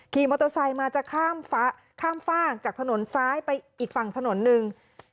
ขี่มอเตอร์ไซค์มาจะข้ามฝากจากถนนซ้ายไปอีกฝั่งถนนหนึ่ง